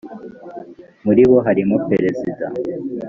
muri bo harimo perezida